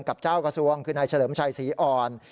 กับเจ้ากระทรวงคือนายเฉลิมชัยศรีอ่อน